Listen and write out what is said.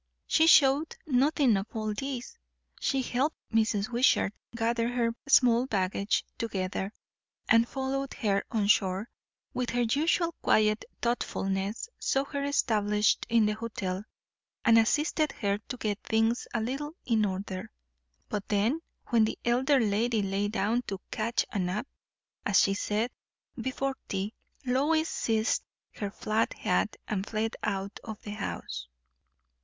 She showed nothing of all this. She helped Mrs. Wishart gather her small baggage together, and followed her on shore, with her usual quiet thoughtfulness; saw her established in the hotel, and assisted her to get things a little in order. But then, when the elder lady lay down to "catch a nap," as she said, before tea, Lois seized her flat hat and fled out of the house.